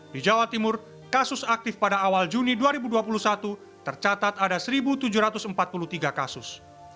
di jawa timur kasus aktif pada awal juni dua ribu dua puluh satu tercatat ada satu tujuh ratus empat puluh tiga kasus